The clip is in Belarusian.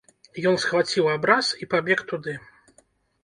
Ён схваціў абраз і пабег туды.